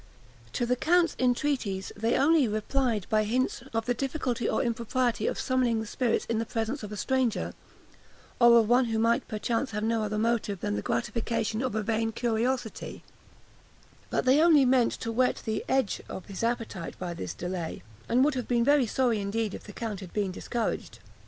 To the count's entreaties they only replied by hints of the difficulty or impropriety of summoning the spirits in the presence of a stranger, or of one who might perchance have no other motive than the gratification of a vain curiosity; but they only meant to whet the edge of his appetite by this delay, and would have been sorry indeed if the count had been discouraged.